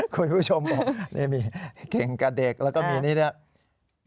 คุณผู้ชมมีเก่งกอเด็กแล้วก็มีนี่เนี่ย